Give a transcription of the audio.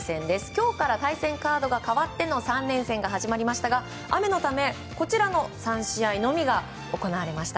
今日から対戦カードが変わっての３連戦が始まりましたが雨のため、こちらの３試合のみが行われました。